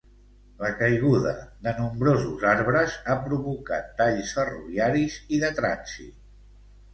La caiguda de nombrosos arbres ha provocat talls ferroviaris i de trànsit.